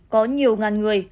có nhiều ngàn người